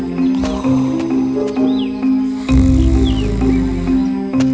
dan dia menangkap angsa dengan cepat